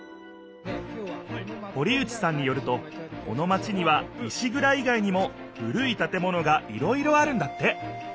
堀内さんによるとこのマチには石ぐらい外にも古い建物がいろいろあるんだって。